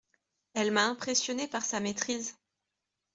Elle m'a impressionné par sa maîtrise.